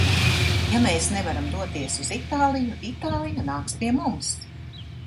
Ja mēs nevaram doties uz Itāliju, Itālija nāks pie mums!